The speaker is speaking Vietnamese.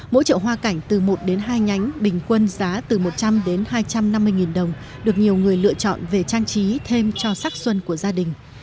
mỗi chợ hoa cảnh từ một đến hai nhánh bình quân giá từ một trăm linh đến hai trăm năm mươi đồng được nhiều người lựa chọn về trang trí thêm cho sắc xuân của gia đình